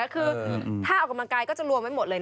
คือถ้าออกกำลังกายก็จะรวมไว้หมดเลย